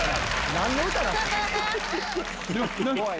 何の歌なんすか！